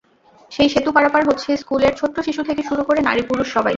সেই সেতু পারাপার হচ্ছে স্কুলের ছোট্ট শিশু থেকে শুরু করে নারী-পুরুষ সবাই।